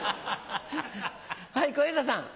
はい小遊三さん。